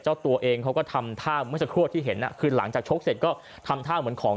เจ้าตัวเองเขาก็ทำท่าเหมือนฉะด้วยที่เห็น